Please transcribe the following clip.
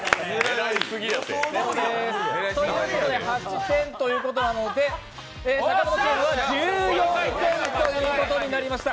８点ということなので、阪本チームは１４点ということになりました。